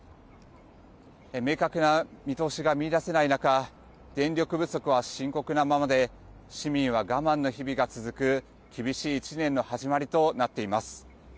明確な見通しが見いだせない中電力不足は深刻なままで市民は我慢の日々が続く厳しい１年の始まりとなっています。